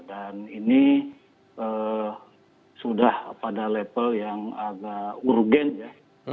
dan ini sudah pada level yang agak urgen ya